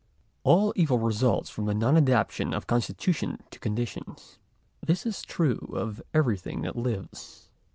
§ I. All evil results from the non adaptation of constitution to conditions. This is true of everything that lives.